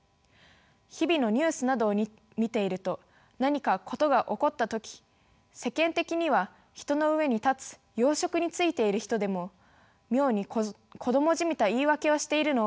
日々のニュースなどを見ていると何か事が起こった時世間的には人の上に立つ要職に就いている人でも妙に子供じみた言い訳をしているのを目にします。